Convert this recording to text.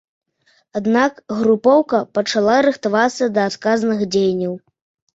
Аднак групоўка пачала рыхтавацца да адказных дзеянняў.